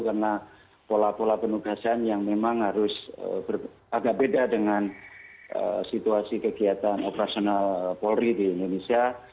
karena pola pola penugasan yang memang harus agak beda dengan situasi kegiatan operasional polri di indonesia